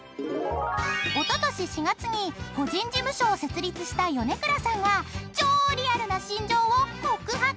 ［おととし４月に個人事務所を設立した米倉さんが超リアルな心情を告白］